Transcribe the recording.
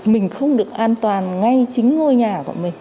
mình không được an toàn ngay chính ngôi nhà của mình